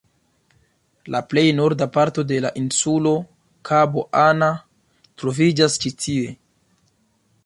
La plej norda parto de la insulo, Kabo Anna, troviĝas ĉi tie.